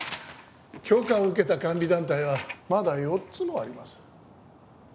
許可を受けた監理団体はまだ４つもあります